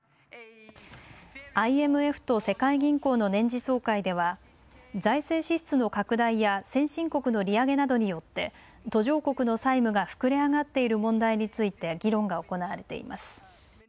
ＩＭＦと世界銀行の年次総会では財政支出の拡大や先進国の利上げなどによって途上国の債務が膨れ上がっている問題について議論が行われています。